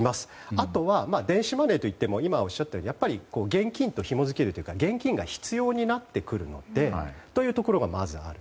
あとは電子マネーといっても現金とひもづけるというか現金が必要になってくるのでというところがまずある。